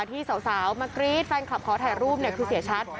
ที่สาวมากรี๊ดแฟนคลับขอถ่ายรูปเนี่ยคือเสียชัด